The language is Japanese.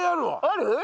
ある？